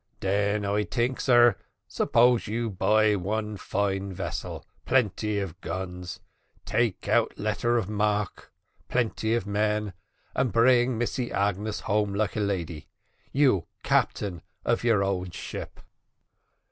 "Den I tink, sar, suppose you buy one fine vessel plenty of guns take out letter of marque plenty of men, and bring Missy Agnes home like a lady. You captain of your own ship."